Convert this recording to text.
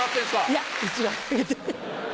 いや１枚あげて。